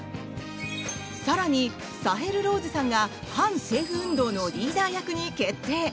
更に、サヘル・ローズさんが反政府運動のリーダー役に決定。